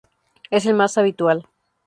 Es el más habitual.